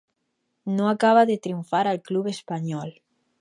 No acaba de triomfar al club espanyol.